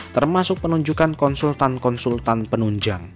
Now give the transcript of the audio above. termasuk penunjukan konsultan konsultan penunjang